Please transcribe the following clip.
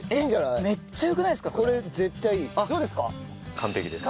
完璧です。